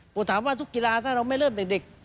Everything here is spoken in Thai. ผมถามว่าทุกกีฬาถ้าเราไม่เริ่มเด็ก